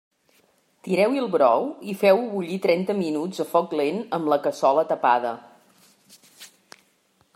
Tireu-hi el brou i feu-ho bullir trenta minuts a foc lent amb la cassola tapada.